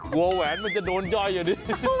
กลัวแหวนมันจะโดนจ้อยอยู่ดิ